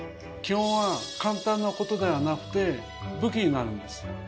基本は簡単なことではなくて武器になるんです。